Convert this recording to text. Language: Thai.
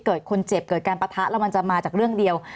เกิดคนเจ็บเกิดการปะทะแล้วมันจะมาจากเรื่องเดียว